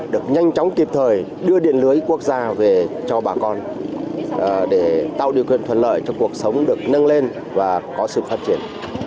được nhanh chóng kịp thời đưa điện lưới quốc gia về cho bà con để tạo điều kiện thuận lợi cho cuộc sống được nâng lên và có sự phát triển